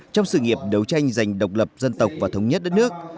trong sự nghiệp đấu tranh giành độc lập dân tộc và thống nhất đất nước